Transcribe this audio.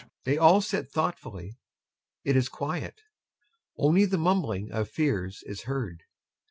[They all sit thoughtfully. It is quiet. Only the mumbling of FIERS is heard.